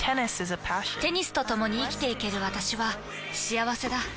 テニスとともに生きていける私は幸せだ。